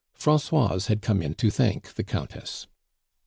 Francoise had come in to thank the Countess.